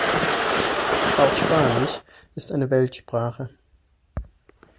Auch Spanisch ist eine Weltsprache.